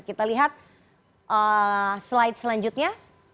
kita lihat slide selanjutnya